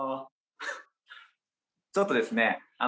ちょっとですね